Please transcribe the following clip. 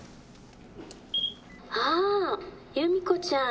「ああ由美子ちゃん」